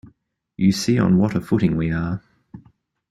You see on what a footing we are.